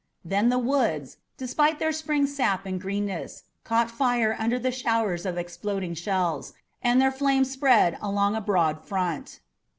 Then the woods, despite their spring sap and greenness, caught fire under the showers of exploding shells, and their flames spread along a broad front.